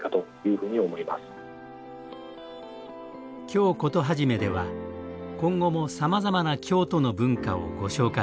「京コトはじめ」では今後もさまざまな京都の文化をご紹介していきます。